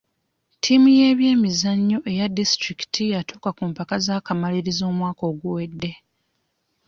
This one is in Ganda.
Ttiimu y'ebyemizannyo eya disitulikiti yatuuka ku mpaka z'akamalirizo omwaka oguwedde.